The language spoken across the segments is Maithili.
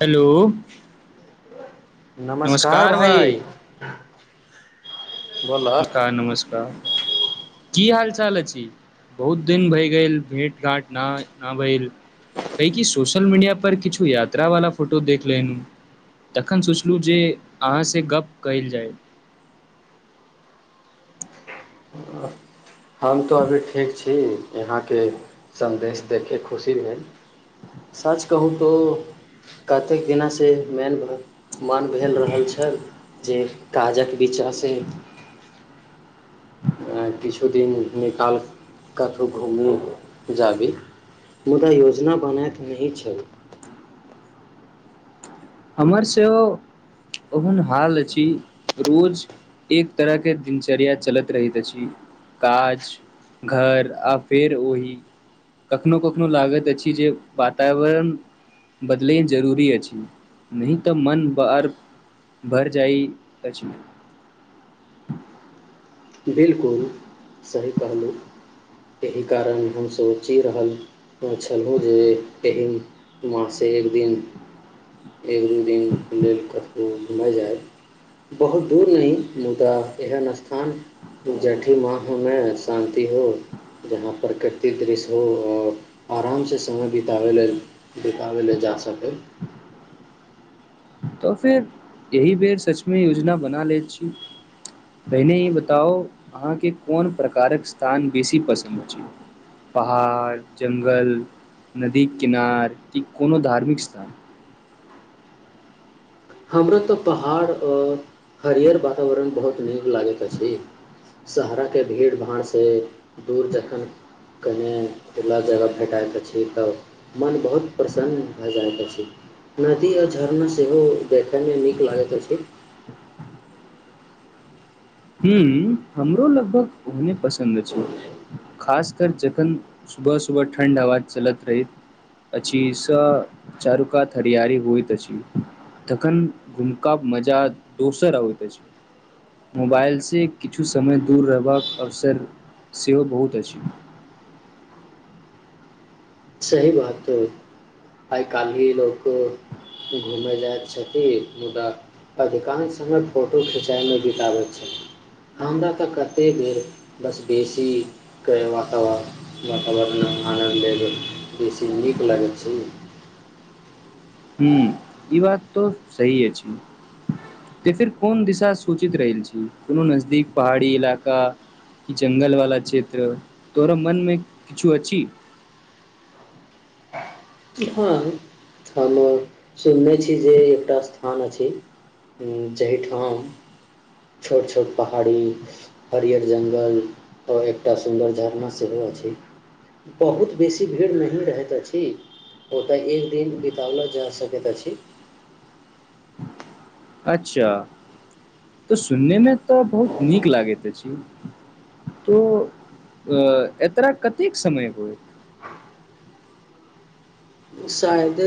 हेलो नमस्कार भाय बोलऽ नमस्कार नमस्कार की हाल चाल अछि बहुत दिन भए गेल भेँट घाँट नहि नहि भेल कैक कि सोशल मीडिय पर किछु यात्रा वला फोटो देख लेलनहुँ तखन सोचलहुँ जे अहाँसँ गप कल जाय हम तो अभी ठीक छी यँ एहा के संदेश दै के खुशी में सच कहुं तो कतै एना से नैन वरत मान बुझा रहल छैथ जे काजक बिचा से। किछु दिन निकालि कतहु घूमी जाबी मुदा योजना बनाैत नहि छै हमर सेहो ओहन हाल अछि रोज एक तरहके दिनचर्या चलैत रहैत अछि काज घर आ फेर ओही कखनहु कखनो लागैत अछि जे वातावरण बदलय जरूरी अछि न तऽ मन बर भर जाइ कछी बिलकुल सही कहलहुँ एहि कारण हम सोचि रहल छलहुँ जे एहि मासे एक दिन एक दू दिन लेल कर ओ घुमै जाय बहुत दूर नहि मुदा एहन स्थान जेठी माह हमे शान्ति हो जहाँ प्रकृतिक दृश्य हो आओर आरामसँ समय बिताबय लेलए बिताबय लेलए जा सकय तऽ फेर एहि बेर सचमे योजना बना लैत छी पहिने ई बताउ अहाँके कोन प्रकारक स्थान बेसी पसन्द अछि पहाड़ जङ्गल नदी किनार कि कोनो धार्मिक स्थान हमरा तऽ पहाड़ आओर हरियर वातावरण बहुत नीक लागैत अछि सहहारराके भीड़ भाड़सँ दूर जखन कने खुला जगह भेटाइत अछि तऽ मन बहुत प्रसन्न भऽ जाइत अछि नदी आओ झरना सेहो देखैमे नीक लागैत अछि छै ह हमरो लगभग ओहने पसन्द अछि खासकर जखन सुबह सुबह ठण्ड हवा चलैत रहैत अछि से चारुकातथरियारी होइत अछि तखन घुमका मजा दोसर अबैत अछि मोबाइलसँ किछु समय दूर रहबाक अवसर सेहो बहुत अछि सही बात छै आइ काल्हिी लोक घूमय जाइत छथिन मुदा अधिकांश समय फोटो खिचाइमे बितबैत छथिन हमरा तऽ कतेक बेर बस बेसीके वातावरण वातावरण आनन्द आल बेसी नीक लगै छै ह्म ई बात तो सही अछि तऽ फेर कोन दिशा सोचित रहल छी कोनो नजदीक पहाड़ी इलाका कि जंगल वाला क्षेत्र तोरा मनमे किछु अछि हँ हम सुनने छी जे एकटा स्थान अछि जाहिठाम छोट छोट पहाड़ी हरियर जङ्गल आओर एकटा सुन्दर झरना सेहो अछि बहुत बेसी भीड़मे ही रहैत अछि ओतय एक दिन बितवला जा सकैत अछि अच्छा तऽ सुननेमे तऽ बहुत नीक लागैत अछि तो एतरा कतेक समय होत शायद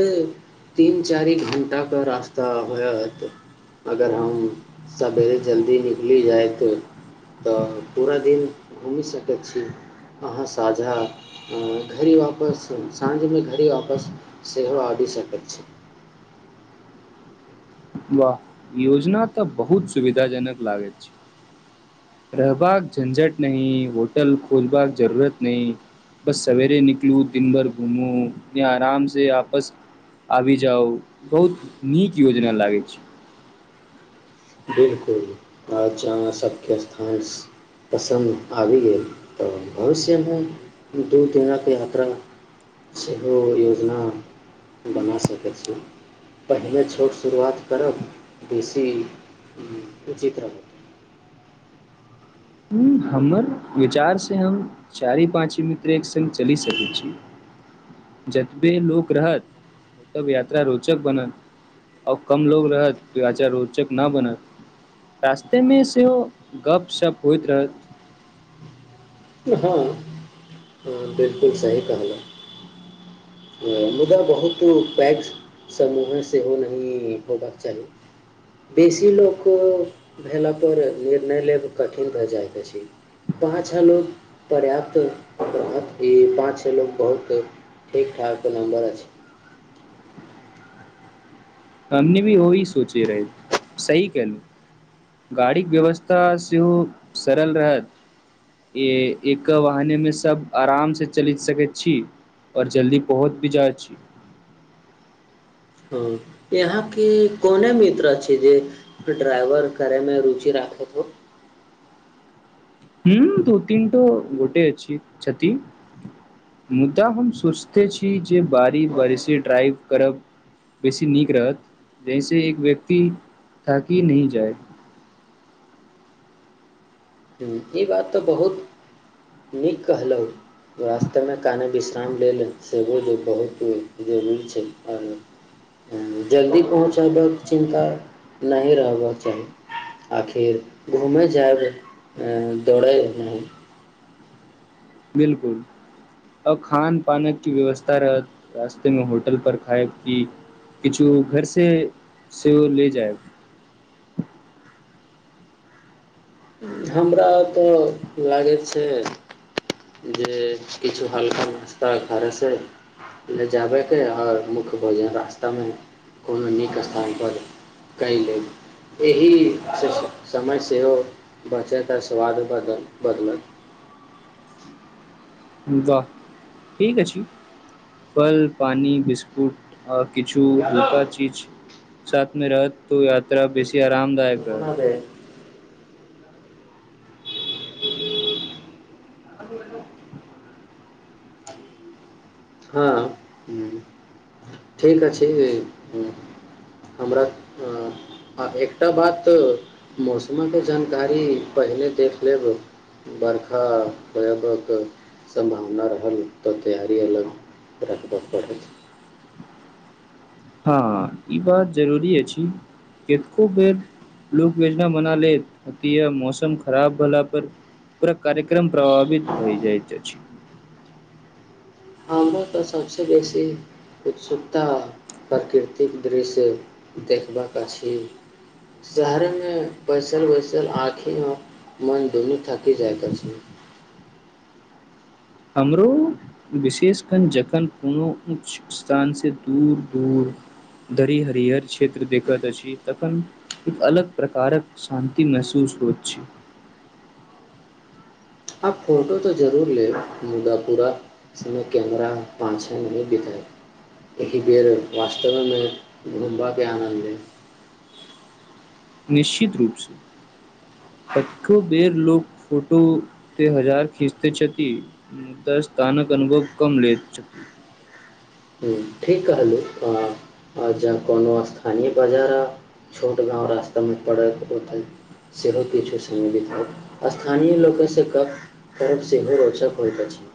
तीन चारि घण्टाके रास्ता होयत अगर हम सवेरे जल्दी निकलि जायत तऽ पूरा दिन घूमि सकैत छी अहाँ साझा घड़ी वापस साँझमे घड़ी वापस सेहो आबि सकैत छै वाह योजना तऽ बहुत सुविधााजनक लागे छै रहबाका झंझट नही होटल खोजबाक जरूरत नहीं बस सवेरे निकलु दिन भर घूमु य आराम से आपस आबि जाउ बहुत नीक योजना लागे छै बिलकुल आ जहाँ सभके स्थान पसन्द आबि गेल तऽ भविष्यमे दू दिनक यात्रा सेहो योजना बना सकै छी पहिले छोट शुरुआत करब बेसी उचित रहत ह हमर विचार से हम चारि पाची मित्र एक सङ्ग चलि सकैत छी जतबे लोक रहत ओतब यात्रा रोचक बनत आओ कम लोकोग रहत तऽ यात्रा रोचक नहि बनत रास्तेमे सेहो गपशप होइत रहत हँ हँ बिलकुल सही कहल [inaudible] मुदा बहुत पैघ समूहे सेहो नहि होबाक चाही बेसी लोक भेला पर निर्णय लेब कठिन भहि जाइत अछि पाछ लोको पर्याप्त रहत ई पाच लोक बहुत ठीक ठाक एक नम्बर छै [unintelligible] हमनी भी ओही सोचे रहै सही कलहु गाड़ीक व्यवस्था सेहो सरल रहत ए एक वहने मे सब आराम से चल सकैत छी आऔर जल्दी पहुँच भी जाइत छी हँ यहाँके कोने मित्र छै जे ड्राइवर करयमे रुचि राखैत होत हू दू तीनटौ गोटे अछि कति मुदा हम सोचिते छी जे बारी बारिशे ड्राइव करब बेसी नीक रहत जहिस एक व्यक्ति थाकि नहिह जाय ई बात तऽ बहुत नीक कहलहुँ वास्तेमे काने विश्राम लेल सेबो जे बहुत जरूरी छै आओर जल्दी पहुँचबबाक चिन्ता नहि रहबाक चाही आखिर घूमे जायब अ दौड़े बिलकुल अ खान पान की व्यवस्था रहत रास्तेमे होटल पर खायब की किछु घर से सेहो ले जायब हमरा तऽ लागै छै जे किछु हल्का नाश्ता करयसँ लऽ जाबयके आओर मुख्य भोजन रास्तामे कोनो नीक स्थानपर कए लेलेब एहि समय सेहो बचत आ स्वाद बदल बदलत वाह ठीक अ छै फल पानी बिस्कुट और किछु उल्का चीज साथमे रहत तो यात्रा बेसी आरामदायक रहत हँ ठीक अछि हमरा आ एकटा बात मौसमके जानकारी पहिले देख लेब बरखा होयबाकक सम्भावना रहल तऽ तैयारी अलग रखबय पड़त हँ ई बात जरूरी अछि केको बेर लोक येजना बना ल मौसम खराब भेलला पर पूरा कार्यक्रम प्रभावित भइ जाइत अछि हमरा त सबसँ बेसी उत्सुकता प्रकृतिक दृश्य देखबाक अछि शहरेमे बैसल बैसल आँखि आ मन दुनू थकि जाइके अछि हमरो विशेष कण जखन कोनो उऊच्च स्थानसँ दूर दूर धरि हरहर क्षेत्र देखैत अछि तखन एक अलग प्रकारक शान्ति महसूस होइत छै आब फोटो तऽ जरूर लेब मुर्दा पुरा कैमरा पाचे नहि नहि बितए एहि बेर वास्तवेमे घुमबाके आनन्द लेब निश्चित रूप छै कतको बेेर लोक फोटो त हजार खीचत छथि दसथानक अनुभव कम ले ह ठीक कहले आ जँ कोनो स्थानीय बाजार आ छोट गाँव रास्तामे पड़त ओतऽ सेहो किछु समिलित होत स्थानीय लोककेसँ करर्ब सेहो रोचक होइत अछि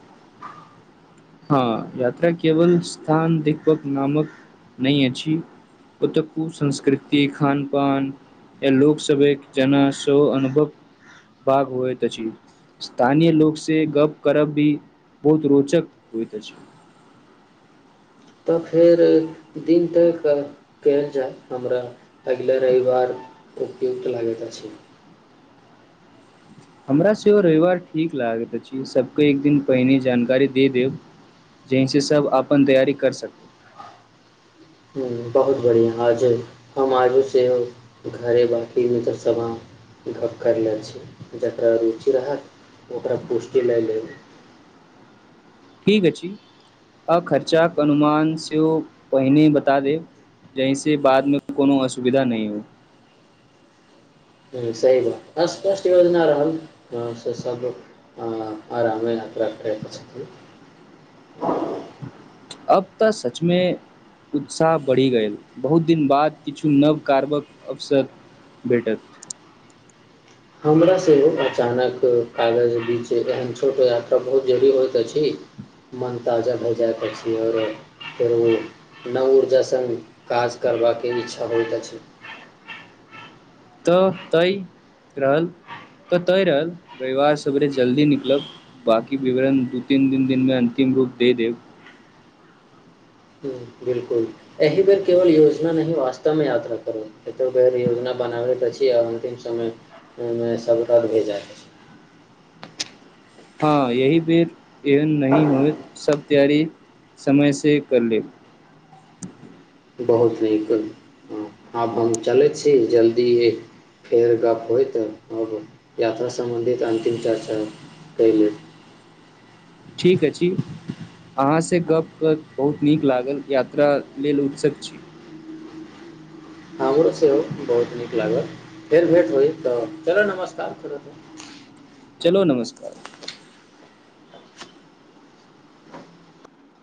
हँ यात्रा केवल स्थान देखक नामक नहि अछि ओतऽ कु संंस्कृति खान पान य लोकसभक जेना स अनुभव भाग होइत अछि स्थानीय लोक से गप करब भी बहुत रोचक ई त छै तऽ फेर दिन तक कयल जाय हमरा अगिला रविवार उपयुक्त लागैत अछि हमरा सेहो रविवार ठीक लागय अछि सबके एक दिन पहिने जानकारी दे देब जहिसँ सब अपन तैयारी कर सकू बहुत बढ़िआँ आज हम आजूसँ घरे बाकी मलब समांग गप्प करलने छी जकरा रुचि रहत ओकरा पुष्टि लए लेब ठीक अछि आ खर्चाक अनुमान सेहो पहिने बता देब जाहिसँ बादमे कोनो असुविधा नहि हो सह ब अस्पष्ट योजना रहहं से सभ आरामे अ कयत छथि छी अब तऽ सचमे उत्साह बढ़ि गेलय बहुत दिन बाद किछु नव कारबक अवसर भेटत हमरा सेहो अचानक कागज बीच एहन छोट यात्रा बहुत जरू होइत अछि मोन ताजा भए जाय अछि आओर फेर ओ नव ऊर्जा सङ्ग काज करबाके इच्छा होइत अछि तऽ तय रहल तऽ तय रहल रविवार सेरे जल्दी निकलब बाकी विवरण दू तीन तीन दिनमे अंतिम रूप दे देब बिलकुल एहि बेर केवल योजना नहि वास्ता मे यात्रा करू एतो बेर योजना बनाबैत अछि आर अंतिम समय मे सब रात भे जाइत अछि हँ यही बेर एन न होए सब तैयारी समय से कर लेब बहुत नीक आब हम चलैत छी जल्दीए फेर गप होइत आब यात्रा सम्बन्धित अन्तिम चर्चा क लेब ठीक अछि अहाँसँ गप कऽ बहुत नीक लागल यात्रा लेल उत्सुक छी हम हमरो सेहो बहुत नीक लागल फेर भेट होहि तऽ चलऽ नमस्कार करो तो चलो नमस्कार